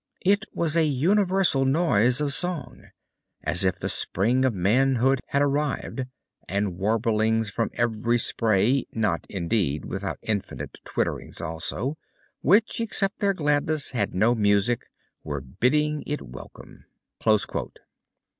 It was a universal noise of Song; as if the Spring of Manhood had arrived, and warblings from every spray, not, indeed, without infinite twitterings also, which, except their gladness, had no music, were bidding it welcome."